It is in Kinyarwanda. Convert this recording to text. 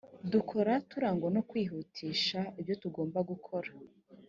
dukora turangwa no kwihutisha ibyo tugomba gukora